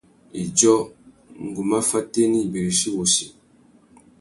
Idjô, ngu má fatēna ibirichi wussi.